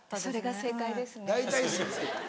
それが正解ですね。